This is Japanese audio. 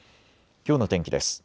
きょうの天気です。